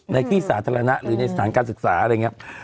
ในที่สาธารณะหรือในสถานการศึกษาอะไรอย่างนี้